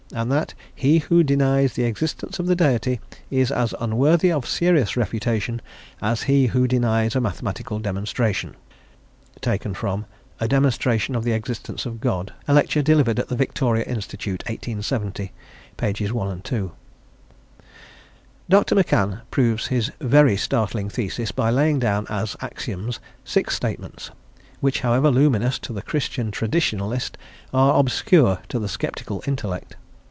And that he who denies the existence of the Deity is as unworthy of serious refutation as is he who denies a mathematical demonstration." ('A Demonstration of the Existence of God,' a lecture delivered at the Victoria Institute, 1870, pp. I and II.) Dr. McCann proves his very startling thesis by laying down as axioms six statements, which, however luminous to the Christian traditionalist, are obscure to the sceptical intellect.